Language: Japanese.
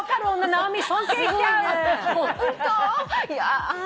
いや。